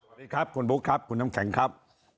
สวัสดีครับคุณบุ๊คครับคุณน้ำแข็งครับ